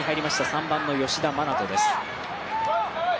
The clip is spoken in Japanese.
３番の吉田真那斗です。